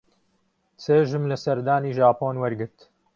چێژم لە سەردانی ژاپۆن وەرگرت.